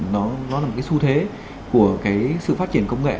nó là cái su thế của cái sự phát triển công nghệ